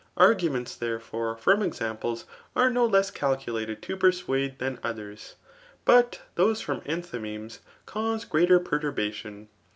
Arguments, therefore, from examples are no l^s cakuiated to persuade (^thaa others,] but those from enthymemes cause greater perturbation.